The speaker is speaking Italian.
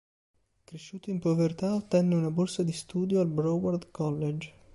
Cresciuto in povertà, ottenne una borsa di studio al Broward College.